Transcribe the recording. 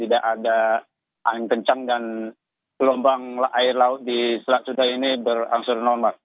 tidak ada angin kencang dan gelombang air laut di selat sunda ini berangsur normal